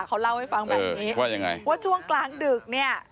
เขาเล่าให้ฟังแบบนี้ว่าช่วงกลางดึกเนี่ย